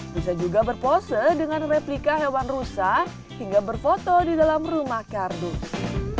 bisa juga berpose dengan replika hewan rusa hingga berfoto di dalam rumah kardus